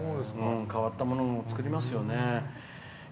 変わったものを作りますよね。